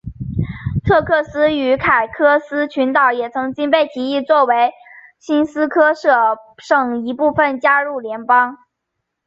特克斯与凯科斯群岛也曾经被提议作为新斯科舍省的一部分加入联邦。